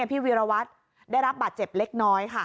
พี่วีรวัตรได้รับบาดเจ็บเล็กน้อยค่ะ